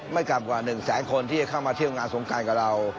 ไม่กลายกว่าสักหนึ่งแสนคนที่จะเข้ามาเที่ยวงานทรงกลางกับเรา